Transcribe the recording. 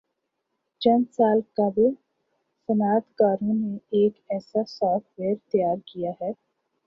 چند سال قبل صنعتکاروں نے ایک ایسا سافٹ ویئر تیار کیا ہے